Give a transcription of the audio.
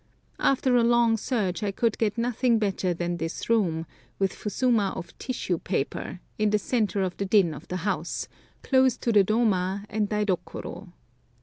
After a long search I could get nothing better than this room, with fusuma of tissue paper, in the centre of the din of the house, close to the doma and daidokoro.